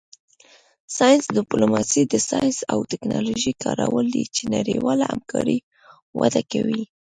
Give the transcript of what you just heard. ساینس ډیپلوماسي د ساینس او ټیکنالوژۍ کارول دي چې نړیواله همکاري وده کوي